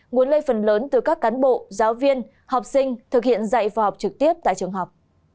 nguồn lây phần lớn từ các cán bộ giáo viên học sinh thực hiện dạy vào học trực tiếp tại trường học